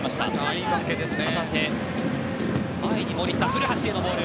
いい関係ですね。